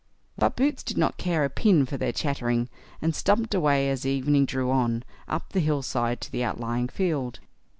But Boots did not care a pin for their chattering, and stumped away as evening drew on, up the hill side to the outlying field.